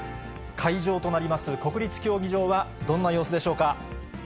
会場となります国立競技場はどんな様子でしょうか。